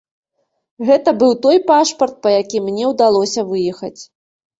Гэта быў той пашпарт, па якім мне ўдалося выехаць.